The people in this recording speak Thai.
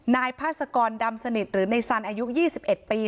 นายพาสกรดำสนิทหรือในซันอายุยี่สิบเอ็ดปี